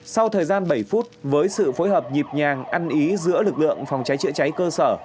sau thời gian bảy phút với sự phối hợp nhịp nhàng ăn ý giữa lực lượng phòng cháy chữa cháy cơ sở